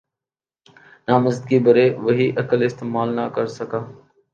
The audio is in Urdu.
نامزدگی بھرے، وہی عقل استعمال نہ کر سکا۔